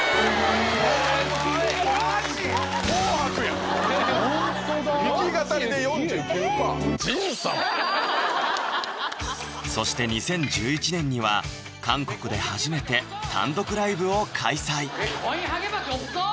すごいなホントだ弾き語りで４９％そして２０１１年には韓国で初めて単独ライブを開催